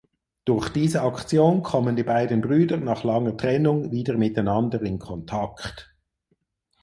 Durch diese Aktion kommen die beiden Brüder nach langer Trennung wieder miteinander in Kontakt.